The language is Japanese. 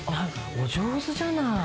お上手じゃない。